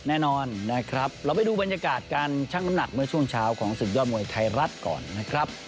แน่นอนนะครับเราไปดูบรรยากาศการชั่งน้ำหนักเมื่อช่วงเช้าของศึกยอดมวยไทยรัฐก่อนนะครับ